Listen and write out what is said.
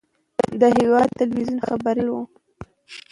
د هېواد تلویزیون خبریال و.